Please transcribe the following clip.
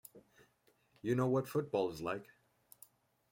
You know what football is like.